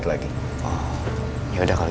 tidak ada apa apa